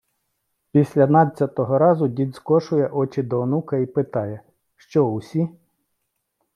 Після надцятого разу дід скошує очі до онука і питає: “Що, усі?”